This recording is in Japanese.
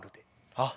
あっ。